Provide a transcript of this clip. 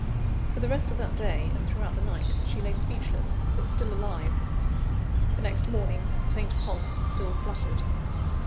For the rest of that day, and throughout the night, she lay speechless, but still alive. The next morning, the faint pulse still fluttered.